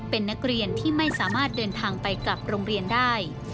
เป็นนักเรียนที่ไม่สามารถเดินทางไปกลับโรงเรียนได้